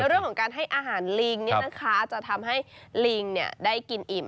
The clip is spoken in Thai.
เรื่องของการให้อาหารลิงจะทำให้ลิงได้กินอิ่ม